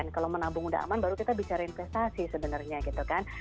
kalau menabung udah aman baru kita bicara investasi sebenarnya gitu kan